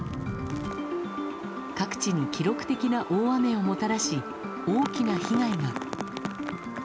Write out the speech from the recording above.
各地に記録的な大雨をもたらし大きな被害が。